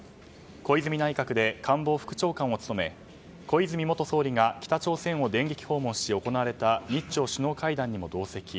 小泉内閣で官房副長官を務め小泉元総理が北朝鮮を電撃訪問し行われた日朝首脳会談にも同席。